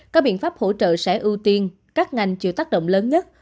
các biện pháp hỗ trợ sẽ ưu tiên các ngành chịu tác động lớn nhất